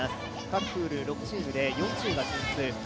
各プール６チームで４チームが進出。